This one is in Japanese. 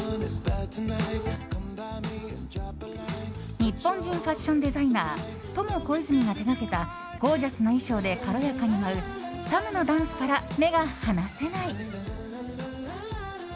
日本人ファッションデザイナーＴｏｍｏＫｏｉｚｕｍｉが手掛けたゴージャスな衣装で軽やかに舞うサムのダンスから目が離せない。